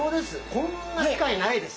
こんな機会ないです。